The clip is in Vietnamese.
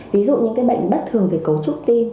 ví dụ những cái bệnh bất thường về cấu trúc tim